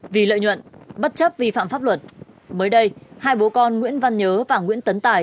vì lợi nhuận bất chấp vi phạm pháp luật mới đây hai bố con nguyễn văn nhớ và nguyễn tấn tài